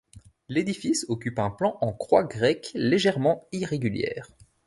L'édifice occupe un plan en croix grecque légèrement irrégulière.